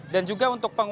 dan juga untuk pengungsi